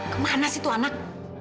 kemana situ anak